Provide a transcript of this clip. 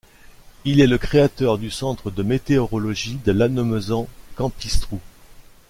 Il est le créateur du Centre de météorologie de Lannemezan-Campistrous.